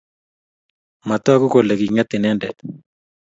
Matagu kole kinget inendet